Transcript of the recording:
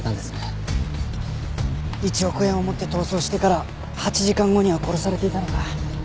１億円を持って逃走してから８時間後には殺されていたのか。